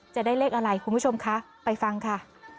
จะได้เลขอะไรคุณผู้ชมคะไปฟังค่ะ